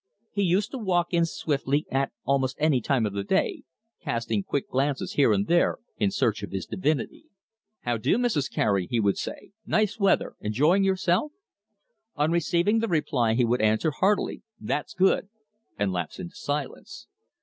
He used to walk in swiftly at almost any time of day, casting quick glances here and there in search of his divinity. "How do, Mrs. Cary," he would say. "Nice weather. Enjoying yourself?" On receiving the reply he would answer heartily, "That's good!" and lapse into silence.